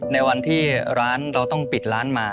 ในวันที่ร้านเราต้องปิดร้านมา